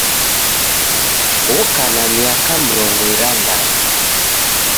Oka na miaka mrongo irandadu